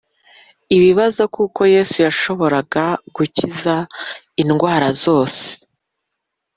Ibibazo Kuki Yesu yashoboraga gukiza indwara zose